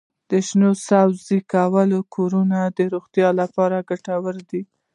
د شنو سبزیو کرل د کورنۍ د روغتیا لپاره ګټور دي.